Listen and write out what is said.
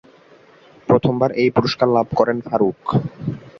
প্রথমবার এই পুরস্কার লাভ করেন ফারুক।